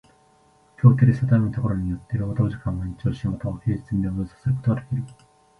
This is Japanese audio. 協定で定めるところによつて労働時間を延長し、又は休日に労働させることができる。